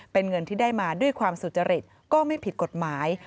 เป็นเงินที่ได้มาด้วยความสุจริตก็ไม่ผิดกฎหมาย